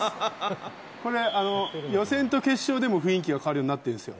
これ、予選と決勝でも雰囲気が変わるようになっているんですよ。